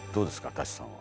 舘さんは。